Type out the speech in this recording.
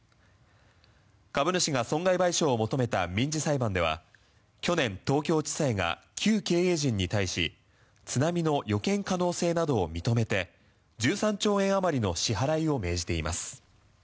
株主が損害賠償を求めた民事裁判では去年東京地裁が旧経営陣に対し津波の予見可能性などを認めて１３兆円あまりの支払いを命じています。